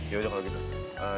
yaudah kalau gitu